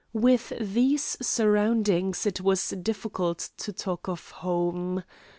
With these surroundings it was difficult to talk of home.